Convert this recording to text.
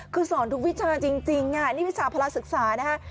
คือสอนทุกวิชาจริงนี่วิชาภาระศึกษานะฮะ